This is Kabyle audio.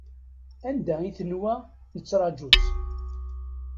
Anda i tenwa nettṛaju-tt?